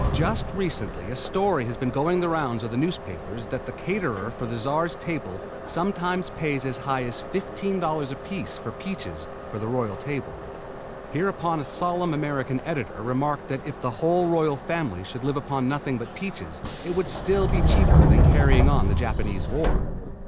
Just recently a story has been going the rounds of the newspapers that the caterer for the Czar's table sometimes pays as high as $15 apiece for peaches for the royal table. Hereupon a solemn American editor remarked that if the whole royal family should live upon nothing but peaches it would still be cheaper than carrying on the Japanese war.